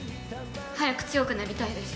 早く強くなりたいです。